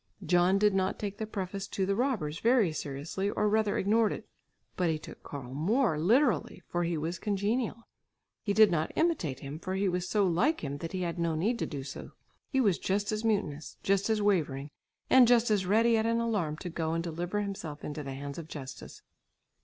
John did not take the preface to "The Robbers" very seriously or rather ignored it; but he took Karl Moor literally for he was congenial. He did not imitate him, for he was so like him that he had no need to do so. He was just as mutinous, just as wavering, and just as ready at an alarm to go and deliver himself into the hands of justice.